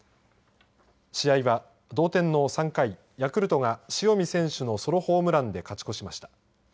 試合は同点の３回ヤクルトが塩見選手のソロホームランで勝ち越しました。